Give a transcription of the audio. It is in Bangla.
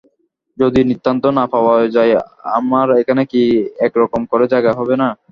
যদি নিতান্ত না পাওয়া যায় আমার এখানে কি একরকম করে জায়গা হবে না।